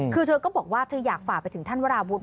คือเธอก็บอกว่าเธออยากฝากไปถึงท่านวราวุฒิ